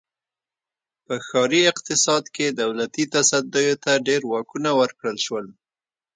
په ښاري اقتصاد کې دولتي تصدیو ته ډېر واکونه ورکړل شول.